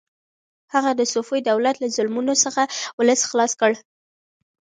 هغه د صفوي دولت له ظلمونو څخه ولس خلاص کړ.